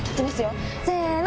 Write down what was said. せの！